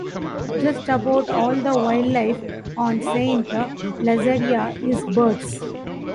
Just about all the wildlife on Saint Lazaria is birds.